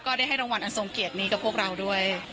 การทรงเกียรตินี้กับพวกเราด้วย